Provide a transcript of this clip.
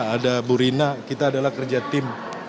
ada bu rina kita adalah kerja tim